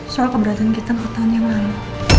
soal keberatan kita empat tahun yang lalu